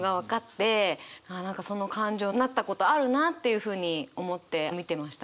ああ何かその感情なったことあるなっていうふうに思って見てました。